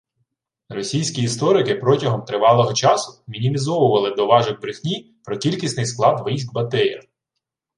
Російські історики протягом тривалого часу мінімізовували «доважок брехні» про кількісний склад військ Батия